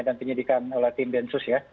dan penyelidikan oleh tim densus ya